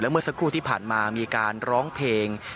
เมื่อสักครู่ที่ผ่านมามีการร้องเพลง